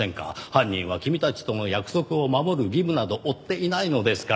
犯人は君たちとの約束を守る義務など負っていないのですから。